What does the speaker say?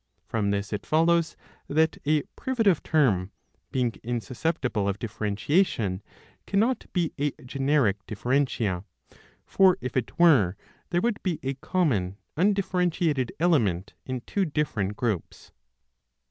From this it follows that a privative term, being insusceptible of differentiation, cannot be a generic differentia ; for, if it were, there would be a common undifferentiated element in two different groups.